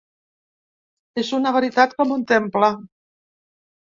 És una veritat com un temple.